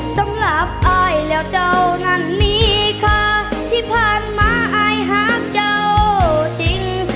สำหรับอายแล้วเจ้านั้นมีค่าที่ผ่านมาอายหักเจ้าจริง